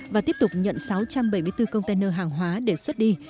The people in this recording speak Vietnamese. và tiếp tục nhận sáu trăm bảy mươi bốn container hàng hóa để xuất đi